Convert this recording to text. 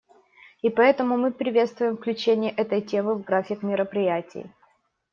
И поэтому мы приветствуем включение этой темы в график мероприятий.